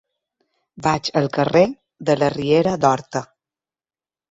Vaig al carrer de la Riera d'Horta.